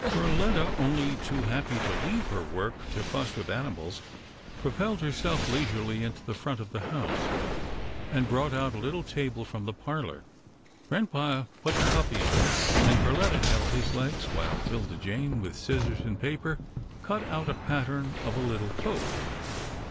Perletta, only too happy to leave her work to fuss with animals, propelled herself leisurely into the front of the house, and brought out a little table from the parlour. Grampa put the puppy on it, and Perletta held his legs while 'Tilda Jane, with scis sors and paper, cut out a pattern of a little coat.